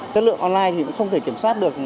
chất lượng online thì cũng không thể kiểm soát được